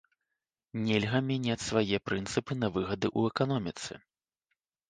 Нельга мяняць свае прынцыпы на выгады ў эканоміцы.